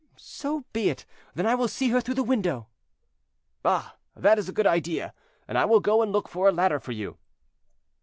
"So be it; then I will see her through the window." "Ah! that is a good idea, and I will go and look for a ladder for you."